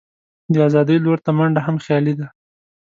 د آزادۍ لور ته منډه هم خیالي ده.